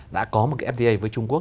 đã có một cái fda với trung quốc